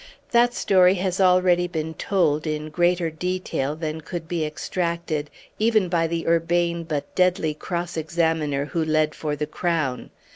That story has already been told in greater detail than could be extracted even by the urbane but deadly cross examiner who led for the Crown.